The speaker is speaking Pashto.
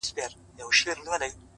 صبر د ستونزو تر ټولو نرم ځواب دی